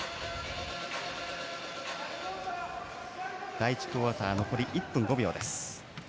第１クオーター残り１分５秒です。